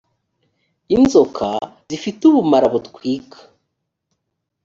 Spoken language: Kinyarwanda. inzoka zifite ubumara butwika